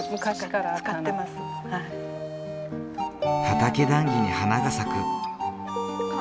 畑談議に花が咲く。